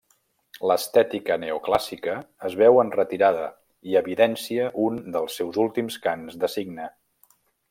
L'estètica neoclàssica es veu en retirada i evidència un dels seus últims cants de cigne.